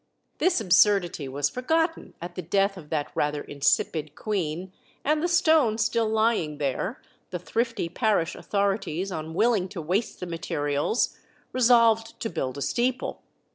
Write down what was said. This absurdity was forgotten at the death of that rather insipid queen, and the stone still lying there, the thrifty parish authorities, unwilling to waste the materials, resolved to build a steeple.